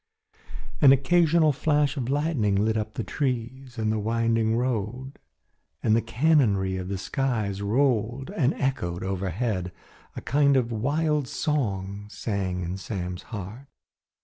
An occasional flash of lightning lit up the trees and the winding road, and the cannonry of the skies rolled and echoed overhead. A kind of wild song sang in Sam's heart.